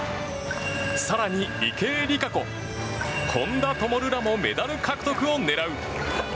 更に、池江璃花子本多灯らもメダル獲得を狙う。